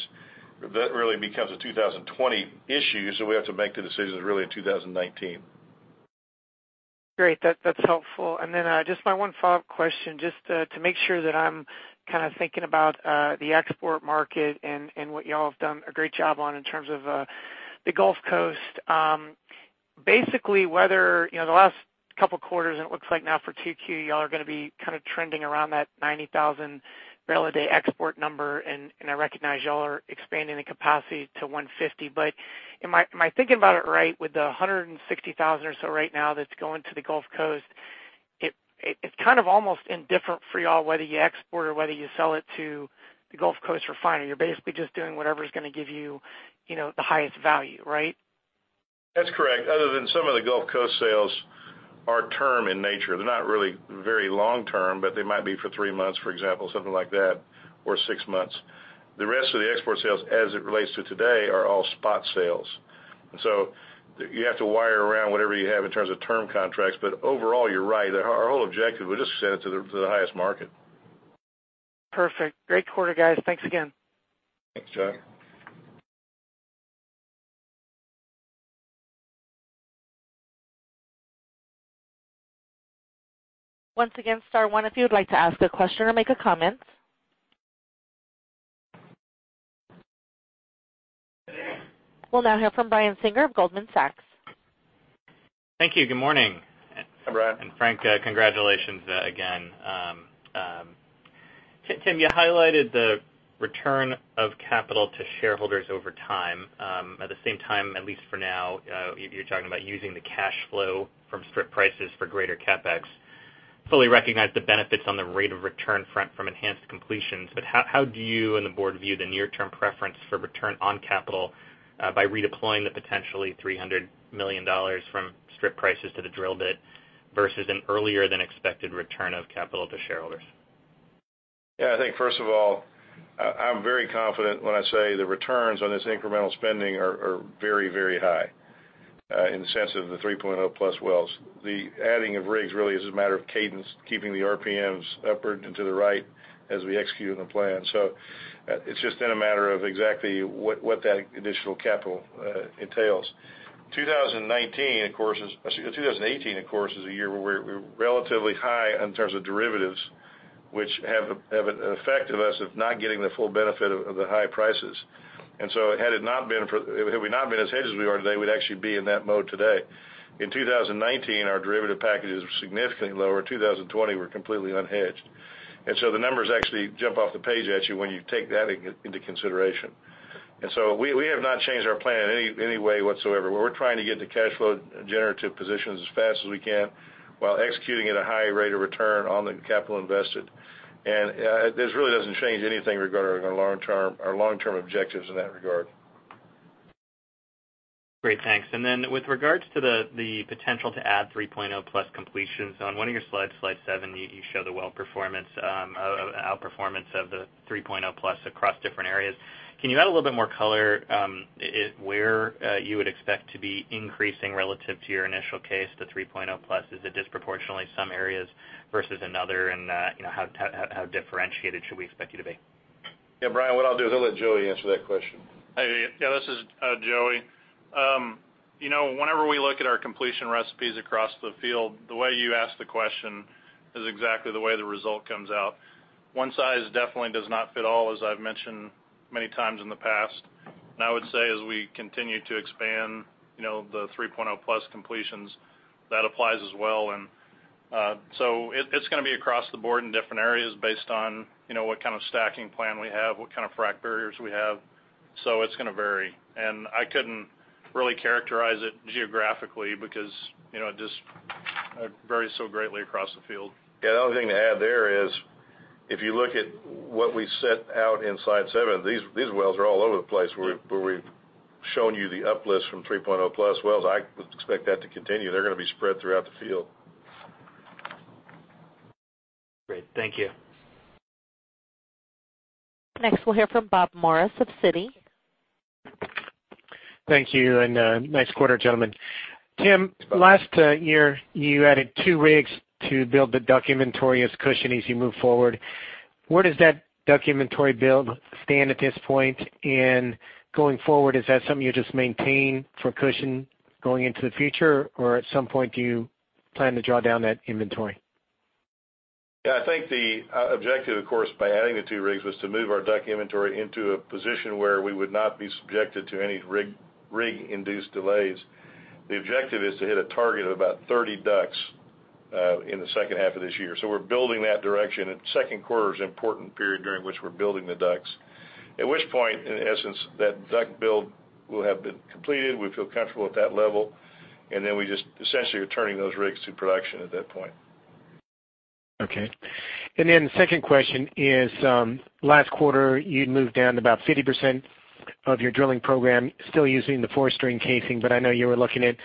That really becomes a 2020 issue. We have to make the decisions really in 2019. Great. That's helpful. Then just my one follow-up question, just to make sure that I'm kind of thinking about the export market and what you all have done a great job on in terms of the Gulf Coast. Basically, the last couple of quarters, and it looks like now for 2Q, you all are going to be kind of trending around that 90,000 barrel a day export number, and I recognize you all are expanding the capacity to 150. Am I thinking about it right with the 160,000 or so right now that's going to the Gulf Coast? It's kind of almost indifferent for you all whether you export or whether you sell it to the Gulf Coast refinery. You're basically just doing whatever's going to give you the highest value, right? That's correct. Other than some of the Gulf Coast sales are term in nature. They're not really very long term, but they might be for three months, for example, something like that, or six months. The rest of the export sales as it relates to today are all spot sales. You have to wire around whatever you have in terms of term contracts. Overall, you're right. Our whole objective, we just send it to the highest market. Perfect. Great quarter, guys. Thanks again. Thanks, John. Once again, star one if you would like to ask a question or make a comment. We'll now hear from Brian Singer of Goldman Sachs. Thank you. Good morning. Hi, Brian. Frank, congratulations again. Tim, you highlighted the return of capital to shareholders over time. At the same time, at least for now, you're talking about using the cash flow from strip prices for greater CapEx. Fully recognize the benefits on the rate of return front from enhanced completions, how do you and the board view the near-term preference for return on capital by redeploying the potentially $300 million from strip prices to the drill bit versus an earlier than expected return of capital to shareholders? I think first of all, I'm very confident when I say the returns on this incremental spending are very high in the sense of the 3.0 plus wells. The adding of rigs really is a matter of cadence, keeping the RPMs upward and to the right as we execute on the plan. It's just been a matter of exactly what that additional capital entails. 2018, of course, is a year where we're relatively high in terms of derivatives, which have an effect of us of not getting the full benefit of the high prices. Had we not been as hedged as we are today, we'd actually be in that mode today. In 2019, our derivative packages were significantly lower. 2020, we're completely unhedged. The numbers actually jump off the page at you when you take that into consideration. We have not changed our plan in any way whatsoever. We're trying to get to cash flow generative positions as fast as we can while executing at a high rate of return on the capital invested. This really doesn't change anything regarding our long-term objectives in that regard. Great. Thanks. Then with regards to the potential to add 3.0 plus completions, on one of your slides, slide seven, you show the well outperformance of the 3.0 plus across different areas. Can you add a little bit more color where you would expect to be increasing relative to your initial case to 3.0 plus? Is it disproportionately some areas versus another? How differentiated should we expect you to be? Brian, what I'll do is I'll let Joey answer that question. Hey. This is Joey. Whenever we look at our completion recipes across the field, the way you ask the question is exactly the way the result comes out. One size definitely does not fit all, as I've mentioned many times in the past. I would say as we continue to expand the 3.0 Plus completions, that applies as well. It's going to be across the board in different areas based on what kind of stacking plan we have, what kind of frack barriers we have. It's going to vary. I couldn't really characterize it geographically because it just varies so greatly across the field. The other thing to add there is, if you look at what we set out in slide seven, these wells are all over the place where we've shown you the uplifts from 3.0 Plus wells. I would expect that to continue. They're going to be spread throughout the field. Great. Thank you. Next, we'll hear from Bob Morris of Citi. Thank you. Nice quarter, gentlemen. Tim, last year you added two rigs to build the DUC inventory as cushion as you move forward. Where does that DUC inventory build stand at this point? Going forward, is that something you just maintain for cushion going into the future, or at some point, do you plan to draw down that inventory? I think the objective, of course, by adding the two rigs was to move our DUC inventory into a position where we would not be subjected to any rig-induced delays. The objective is to hit a target of about 30 DUCs in the second half of this year. We're building that direction, and second quarter is an important period during which we're building the DUCs. At which point, in essence, that DUC build will have been completed. We feel comfortable at that level. We just essentially are turning those rigs to production at that point. Okay. The second question is, last quarter you moved down to about 50% of your drilling program, still using the four-string casing, but I know you were looking at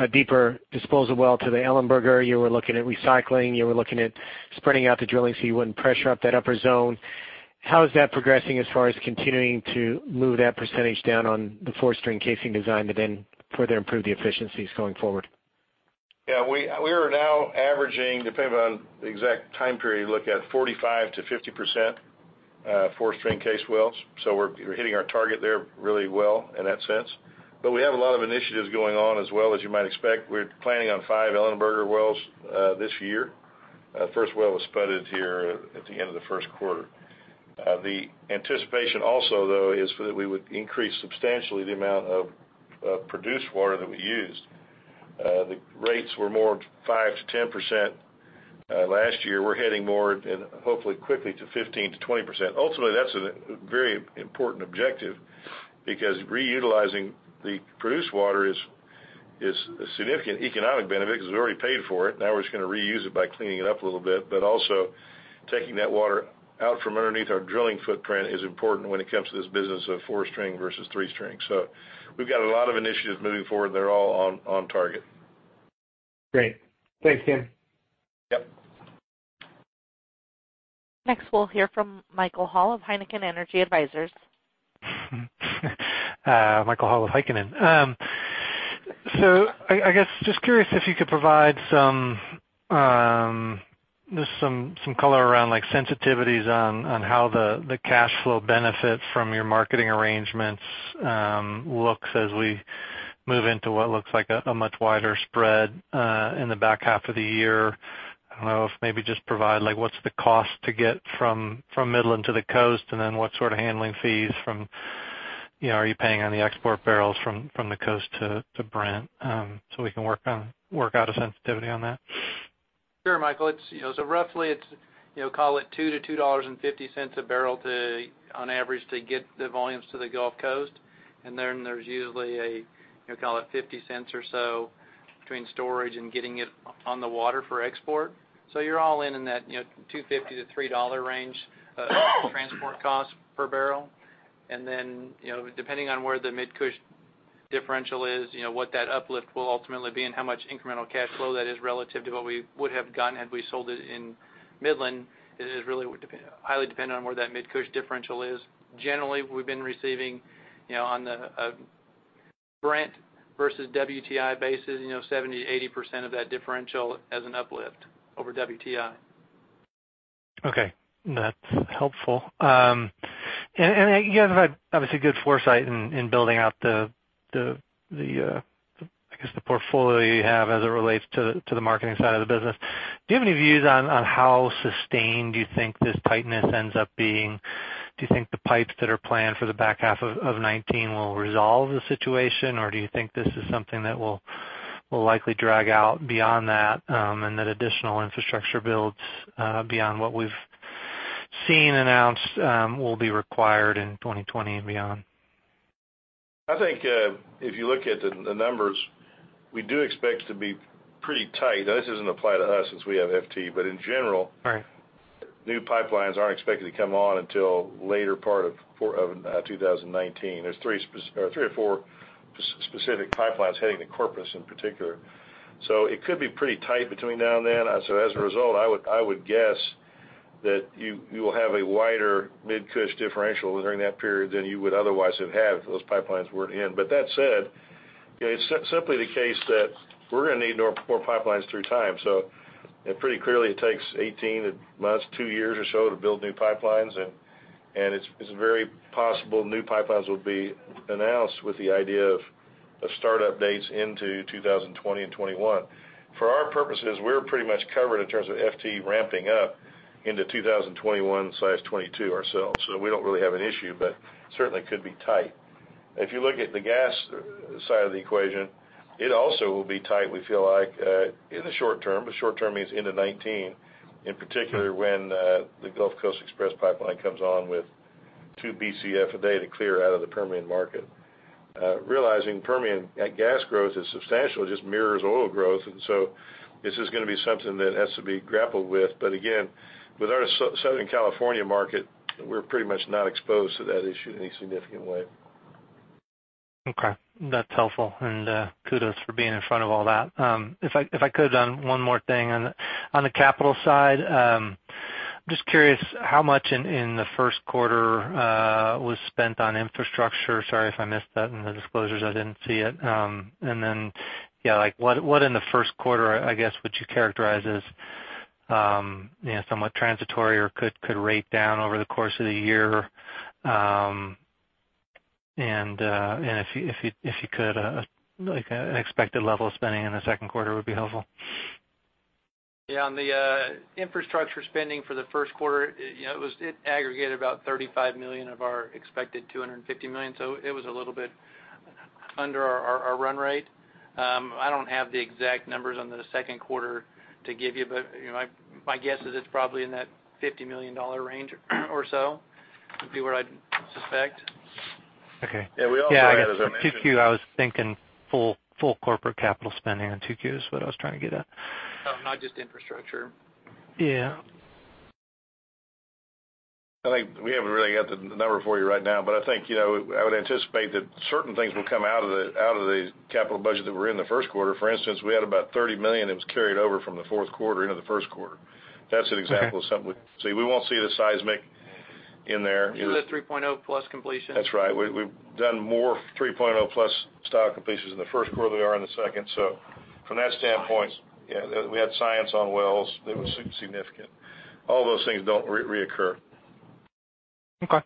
a deeper disposal well to the Ellenburger. You were looking at recycling, you were looking at spreading out the drilling so you wouldn't pressure up that upper zone. How is that progressing as far as continuing to move that percentage down on the four-string casing design to then further improve the efficiencies going forward? Yeah. We are now averaging, depending on the exact time period you look at, 45%-50% four-string cased wells. We're hitting our target there really well in that sense. We have a lot of initiatives going on as well, as you might expect. We're planning on five Ellenburger wells this year. First well was spudded here at the end of the first quarter. The anticipation also, though, is that we would increase substantially the amount of produced water that we used. The rates were more 5%-10% last year. We're heading more, and hopefully quickly, to 15%-20%. Ultimately, that's a very important objective because reutilizing the produced water is a significant economic benefit because we already paid for it. Now we're just going to reuse it by cleaning it up a little bit, also taking that water out from underneath our drilling footprint is important when it comes to this business of four-string versus three-string. We've got a lot of initiatives moving forward and they're all on target. Great. Thanks, Tim. Yep. Next, we'll hear from Michael Hall of Heikkinen Energy Advisors. Michael Hall with Heikkinen. I guess, just curious if you could provide just some color around sensitivities on how the cash flow benefit from your marketing arrangements looks as we move into what looks like a much wider spread in the back half of the year. I don't know if maybe just provide what's the cost to get from Midland to the coast, and then what sort of handling fees are you paying on the export barrels from the coast to Brent? We can work out a sensitivity on that. Sure, Michael. Roughly it's, call it $2-$2.50 a barrel on average to get the volumes to the Gulf Coast. And then there's usually a, call it $0.50 or so between storage and getting it on the water for export. You're all in in that $2.50-$3 range of transport costs per barrel. Depending on where the Mid-Cush differential is, what that uplift will ultimately be, and how much incremental cash flow that is relative to what we would have gotten had we sold it in Midland, is really highly dependent on where that Mid-Cush differential is. Generally, we've been receiving on the Brent versus WTI basis, 70%-80% of that differential as an uplift over WTI. Okay. That's helpful. You guys have had obviously good foresight in building out the, I guess, the portfolio you have as it relates to the marketing side of the business. Do you have any views on how sustained do you think this tightness ends up being? Do you think the pipes that are planned for the back half of 2019 will resolve the situation, or do you think this is something that will likely drag out beyond that, and that additional infrastructure builds beyond what we've seen announced will be required in 2020 and beyond? I think if you look at the numbers, we do expect it to be pretty tight. This doesn't apply to us since we have FT, but in general. Right new pipelines aren't expected to come on until later part of 2019. There's three or four specific pipelines heading to Corpus in particular. It could be pretty tight between now and then. As a result, I would guess that you will have a wider Mid-Cush differential during that period than you would otherwise have had if those pipelines weren't in. That said, it's simply the case that we're going to need more pipelines through time. Pretty clearly it takes 18 months to 2 years or so to build new pipelines. It's very possible new pipelines will be announced with the idea of startup dates into 2020 and 2021. For our purposes, we're pretty much covered in terms of FT ramping up into 2021, that's 2022 ourselves. We don't really have an issue, but certainly could be tight. If you look at the gas side of the equation, it also will be tight, we feel like, in the short term. Short term means into 2019, in particular when the Gulf Coast Express pipeline comes on with 2 Bcf a day to clear out of the Permian market. Realizing Permian gas growth is substantial, it just mirrors oil growth, this is going to be something that has to be grappled with. Again, with our Southern California market, we're pretty much not exposed to that issue in any significant way. Okay, that's helpful, kudos for being in front of all that. If I could, one more thing on the capital side. I'm just curious how much in the first quarter was spent on infrastructure. Sorry if I missed that in the disclosures, I didn't see it. What in the first quarter, I guess, would you characterize as somewhat transitory or could rate down over the course of the year? If you could, an expected level of spending in the second quarter would be helpful. Yeah. On the infrastructure spending for the first quarter, it aggregated about $35 million of our expected $250 million. It was a little bit under our run rate. I don't have the exact numbers on the second quarter to give you, but my guess is it's probably in that $50 million range or so, would be what I'd suspect. Okay. Yeah, we also had, as I mentioned- Yeah, 2Q, I was thinking full corporate capital spending on 2Q is what I was trying to get at. Oh, not just infrastructure? Yeah. I think we haven't really got the number for you right now, but I think I would anticipate that certain things will come out of the capital budget that were in the first quarter. For instance, we had about $30 million that was carried over from the fourth quarter into the first quarter. That's an example of something. See, we won't see the seismic in there. You see the 3.0-plus completion. That's right. We've done more 3.0-plus style completions in the first quarter than we are in the second. From that standpoint, yeah, we had science on wells that was significant. All those things don't reoccur. Okay.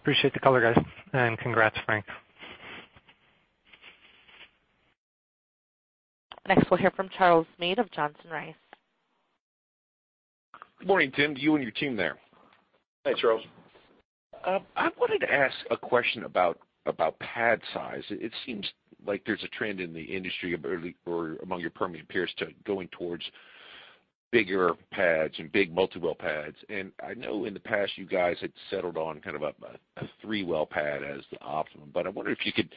Appreciate the color, guys. Congrats, Frank. Next, we'll hear from Charles Meade of Johnson Rice. Good morning, Tim, to you and your team there. Hey, Charles. I wanted to ask a question about pad size. It seems like there's a trend in the industry among your Permian peers to going towards bigger pads and big multi-well pads. I know in the past you guys had settled on a three-well pad as the optimum. I wonder if you could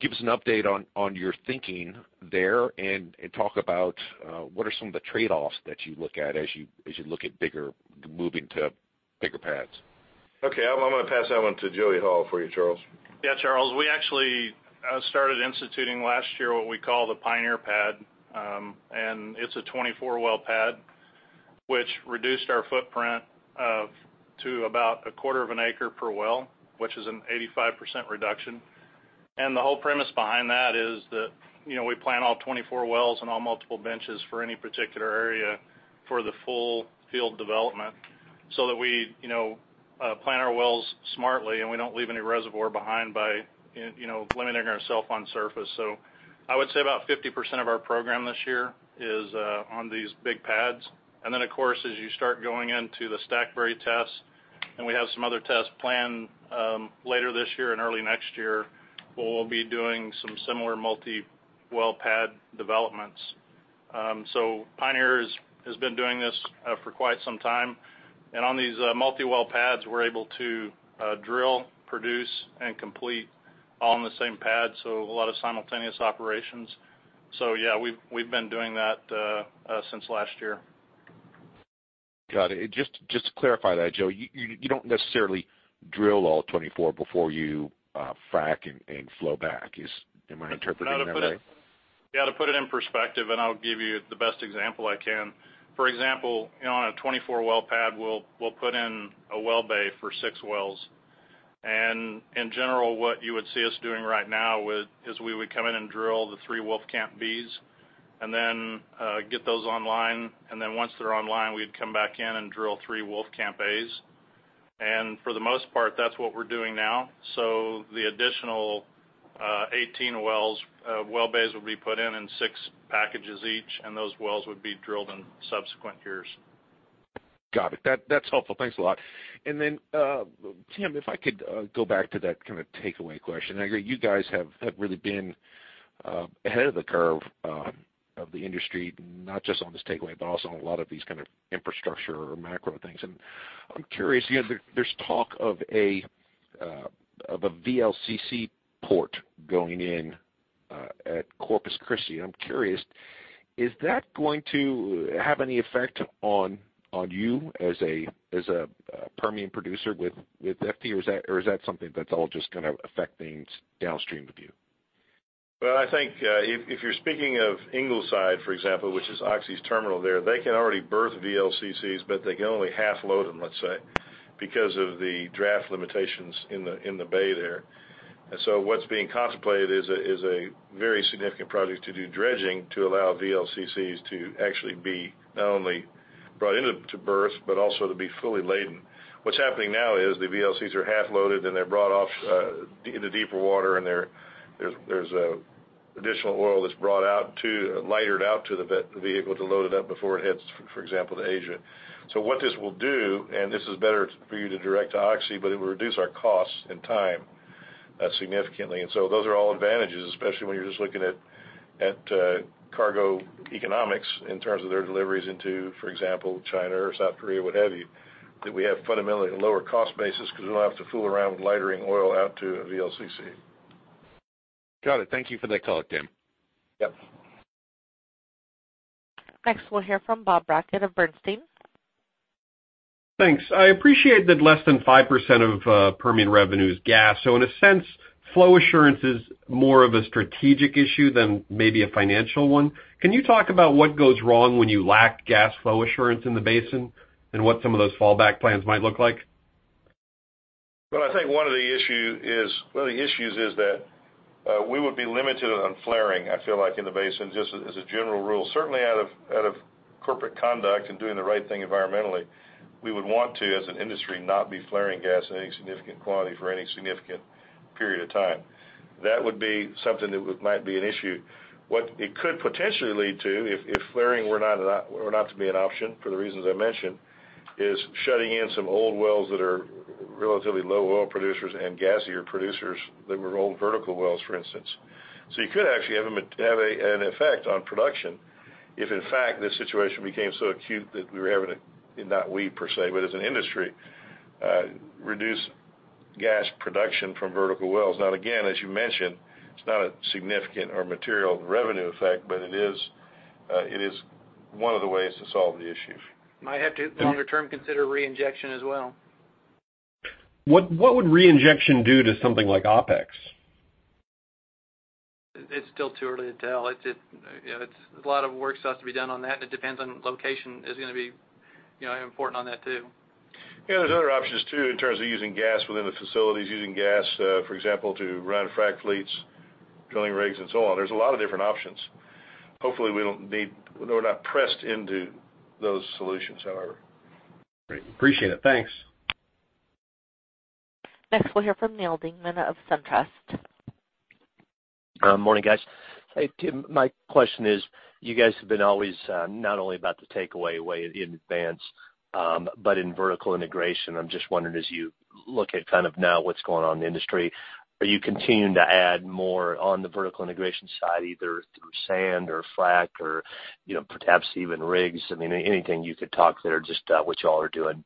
give us an update on your thinking there and talk about what are some of the trade-offs that you look at as you look at moving to bigger pads. Okay. I'm going to pass that one to Joey Hall for you, Charles. Yeah, Charles, we actually started instituting last year what we call the Pioneer Pad. It's a 24-well pad, which reduced our footprint to about a quarter of an acre per well, which is an 85% reduction. The whole premise behind that is that we plan all 24 wells on all multiple benches for any particular area for the full field development, so that we plan our wells smartly and we don't leave any reservoir behind by limiting ourself on surface. I would say about 50% of our program this year is on these big pads. Then of course, as you start going into the Stackberry test, we have some other tests planned later this year and early next year, where we'll be doing some similar multi-well pad developments. Pioneer has been doing this for quite some time. On these multi-well pads, we're able to drill, produce, and complete all on the same pad, so a lot of simultaneous operations. Yeah, we've been doing that since last year. Got it. Just to clarify that, Joey, you don't necessarily drill all 24 before you frack and flow back. Am I interpreting it that way? Yeah, to put it in perspective, I'll give you the best example I can. For example, on a 24-well pad, we'll put in a well bay for six wells. In general, what you would see us doing right now is we would come in and drill the three Wolfcamp Bs, then get those online. Then once they're online, we'd come back in and drill three Wolfcamp As. For the most part, that's what we're doing now. The additional 18 well bays will be put in in six packages each, and those wells would be drilled in subsequent years. Got it. That's helpful. Thanks a lot. Tim, if I could go back to that takeaway question. I agree, you guys have really been ahead of the curve of the industry, not just on this takeaway, but also on a lot of these kind of infrastructure or macro things. I'm curious, there's talk of a VLCC port going in at Corpus Christi, and I'm curious, is that going to have any effect on you as a Permian producer with FT, or is that something that's all just going to affect things downstream of you? Well, I think if you're speaking of Ingleside, for example, which is Oxy's terminal there, they can already berth VLCCs, but they can only half-load them, let's say, because of the draft limitations in the bay there. What's being contemplated is a very significant project to do dredging to allow VLCCs to actually be not only brought in to berth, but also to be fully laden. What's happening now is the VLCCs are half-loaded, then they're brought off into deeper water, and there's additional oil that's lightered out to the vehicle to load it up before it heads, for example, to Asia. What this will do, and this is better for you to direct to Oxy, but it will reduce our costs and time significantly. Those are all advantages, especially when you're just looking at cargo economics in terms of their deliveries into, for example, China or South Korea, what have you, that we have fundamentally a lower cost basis because we don't have to fool around with lightering oil out to a VLCC. Got it. Thank you for that color, Tim. Yep. Next, we'll hear from Bob Brackett of Bernstein. Thanks. I appreciate that less than 5% of Permian revenue is gas, so in a sense, flow assurance is more of a strategic issue than maybe a financial one. Can you talk about what goes wrong when you lack gas flow assurance in the basin, and what some of those fallback plans might look like? Well, I think one of the issues is that we would be limited on flaring, I feel like, in the basin, just as a general rule. Certainly out of corporate conduct and doing the right thing environmentally, we would want to, as an industry, not be flaring gas in any significant quantity for any significant period of time. That would be something that might be an issue. What it could potentially lead to, if flaring were not to be an option for the reasons I mentioned, is shutting in some old wells that are relatively low oil producers and gassier producers that were old vertical wells, for instance. You could actually have an effect on production if, in fact, this situation became so acute that we were having to, and not we per se, but as an industry, reduce gas production from vertical wells. Again, as you mentioned, it's not a significant or material revenue effect, but it is one of the ways to solve the issue. Might have to, longer term, consider reinjection as well. What would reinjection do to something like OPEX? It's still too early to tell. A lot of work still has to be done on that, it depends on location is going to be important on that too. There's other options too in terms of using gas within the facilities, using gas, for example, to run frac fleets, drilling rigs, and so on. There's a lot of different options. Hopefully, we're not pressed into those solutions, however. Great. Appreciate it. Thanks. Next, we'll hear from Neal Dingmann of SunTrust. Morning, guys. Hey, Tim, my question is, you guys have been always not only about the takeaway way in advance, but in vertical integration. I mean, I'm just wondering, as you look at now what's going on in the industry, are you continuing to add more on the vertical integration side, either through sand or frac or perhaps even rigs? Anything you could talk there, just what you all are doing.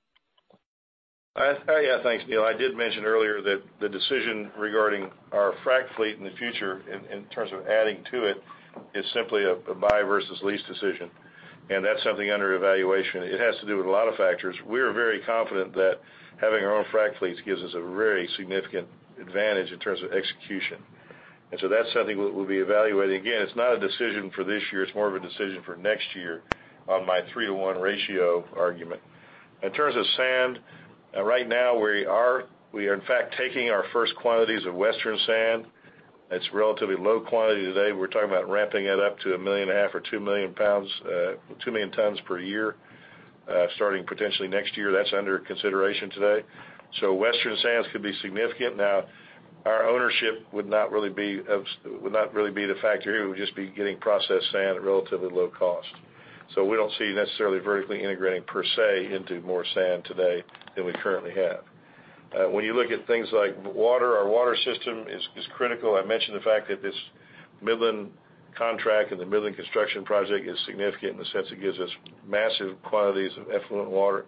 Yeah. Thanks, Neal. I did mention earlier that the decision regarding our frac fleet in the future in terms of adding to it is simply a buy versus lease decision. That's something under evaluation. It has to do with a lot of factors. We are very confident that having our own frac fleets gives us a very significant advantage in terms of execution. That's something that we'll be evaluating. Again, it's not a decision for this year. It's more of a decision for next year on my 3 to 1 ratio argument. In terms of sand, right now we are in fact taking our first quantities of Western sand. It's relatively low quantity today. We're talking about ramping it up to 1.5 million or 2 million tons per year, starting potentially next year. That's under consideration today. Western sands could be significant. Our ownership would not really be the factor here. It would just be getting processed sand at relatively low cost. We don't see necessarily vertically integrating per se into more sand today than we currently have. When you look at things like water, our water system is critical. I mentioned the fact that this Midland contract and the Midland construction project is significant in the sense it gives us massive quantities of effluent water.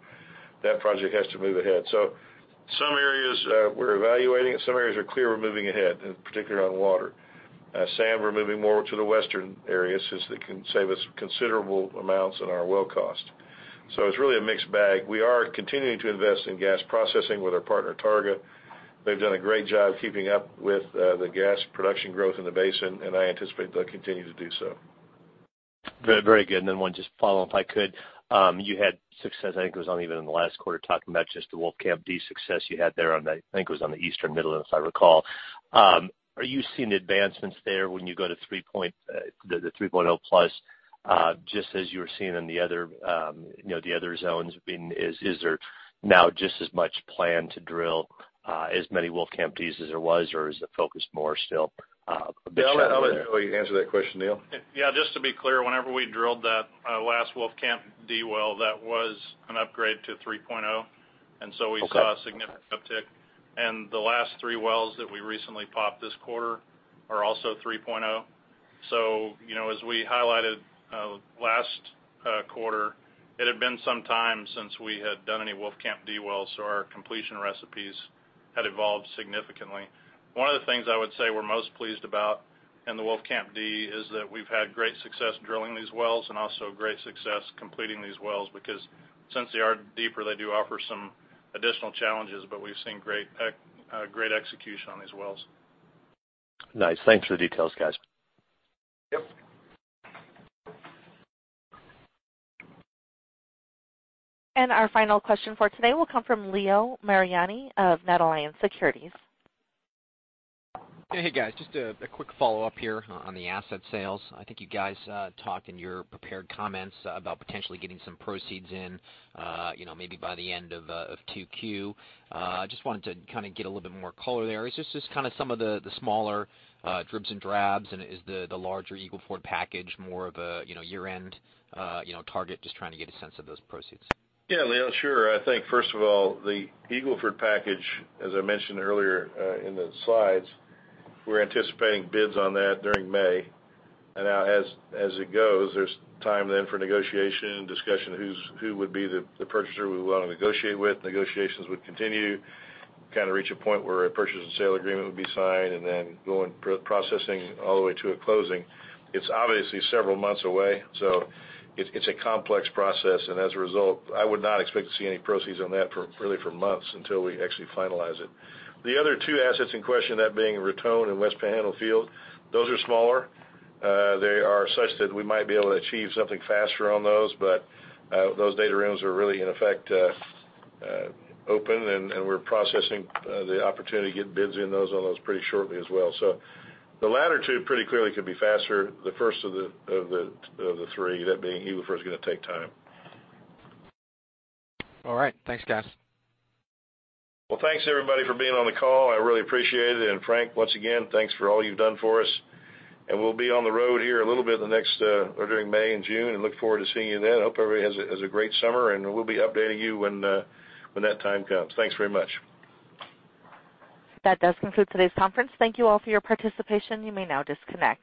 That project has to move ahead. Some areas we're evaluating and some areas are clear we're moving ahead, in particular on water. Sand, we're moving more to the western areas, since they can save us considerable amounts on our well cost. It's really a mixed bag. We are continuing to invest in gas processing with our partner, Targa. They've done a great job keeping up with the gas production growth in the basin, and I anticipate they'll continue to do so. Very good. One just follow up, if I could. You had success, I think it was on even in the last quarter, talking about just the Wolfcamp D success you had there on the, I think it was on the eastern Midland, if I recall. Are you seeing advancements there when you go to the Version 3.0+, just as you were seeing in the other zones? Is there now just as much plan to drill as many Wolfcamp Ds as there was? Is the focus more still a bit there? I'll let Joey answer that question, Neal. Yeah, just to be clear, whenever we drilled that last Wolfcamp D well, that was an upgrade to 3.0. Okay. We saw a significant uptick. The last three wells that we recently popped this quarter are also 3.0. As we highlighted last quarter, it had been some time since we had done any Wolfcamp D wells, so our completion recipes had evolved significantly. One of the things I would say we're most pleased about in the Wolfcamp D is that we've had great success drilling these wells and also great success completing these wells, because since they are deeper, they do offer some additional challenges, but we've seen great execution on these wells. Nice. Thanks for the details, guys. Yep. Our final question for today will come from Leo Mariani of NatAlliance Securities. Hey, guys. Just a quick follow-up here on the asset sales. I think you guys talked in your prepared comments about potentially getting some proceeds in maybe by the end of 2Q. Just wanted to get a little bit more color there. Is this just some of the smaller dribs and drabs, and is the larger Eagle Ford package more of a year-end target? Just trying to get a sense of those proceeds. Yeah, Leo, sure. I think, first of all, the Eagle Ford package, as I mentioned earlier in the slides, we're anticipating bids on that during May. As it goes, there's time then for negotiation and discussion of who would be the purchaser we would want to negotiate with. Negotiations would continue, reach a point where a purchase and sale agreement would be signed, and then processing all the way to a closing. It's obviously several months away. It's a complex process, and as a result, I would not expect to see any proceeds on that really for months until we actually finalize it. The other two assets in question, that being Raton and West Panhandle field, those are smaller. They are such that we might be able to achieve something faster on those data rooms are really in effect open, and we're processing the opportunity to get bids in on those pretty shortly as well. The latter two pretty clearly could be faster. The first of the three, that being Eagle Ford, is going to take time. All right. Thanks, guys. Well, thanks everybody for being on the call. I really appreciate it. Frank, once again, thanks for all you've done for us. We'll be on the road here a little bit during May and June, look forward to seeing you then. Hope everybody has a great summer, we'll be updating you when that time comes. Thanks very much. That does conclude today's conference. Thank you all for your participation. You may now disconnect.